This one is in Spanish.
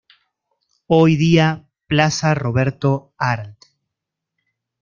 Hoy día Plaza Roberto Arlt.